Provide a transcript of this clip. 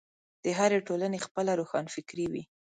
د هرې ټولنې خپله روښانفکري وي.